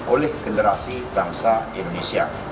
oleh generasi bangsa indonesia